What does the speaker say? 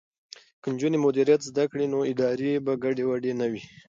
که نجونې مدیریت زده کړي نو ادارې به ګډې وډې نه وي.